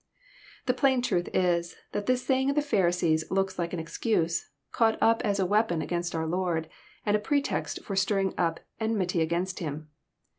The plain truth is, that this saying of the Pharisees looks like an excuse, caught up as a weapon against our Lord, and a pretext for stirring up enmity against Him.